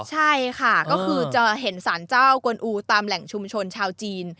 ใช่ค่ะก็คือจะเห็นสารเจ้ากวนอูตามแหล่งชุมชนชาวจีน